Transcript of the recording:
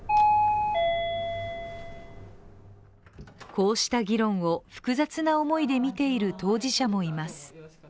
こうした議論を複雑な思いで見ている当事者もいます。